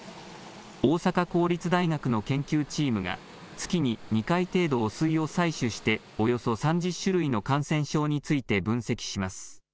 大阪公立大学の研究チームが月に２回程度、汚水を採取しておよそ３０種類の感染症について分析します。